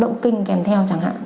thuốc kinh kèm theo chẳng hạn